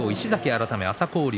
改め朝紅龍。